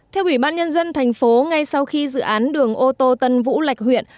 theo quỹ bác nhân dân thành phố ngay sau khi dự án đường ô tô tân vũ lạch huyện